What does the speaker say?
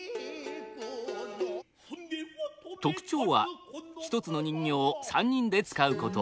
特徴は一つの人形を三人で遣うこと。